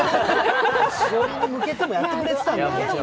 栞里に向けてもやってくれてたんだよ。